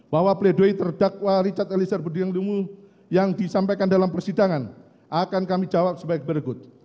bahwa play doh yang terdakwa richard eliezer budianglumiu yang disampaikan dalam persidangan akan kami jawab sebagai berikut